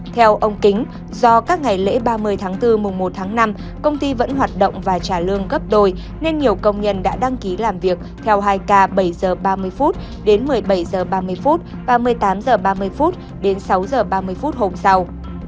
theo ông kính do các ngày lễ ba mươi tháng bốn mùng một tháng năm công ty vẫn hoạt động và trả lương gấp đôi nên nhiều công nhân đã đăng ký làm việc theo hai k bảy h ba mươi đến một mươi bảy h ba mươi và một mươi tám h ba mươi đến sáu h ba mươi phút hôm sau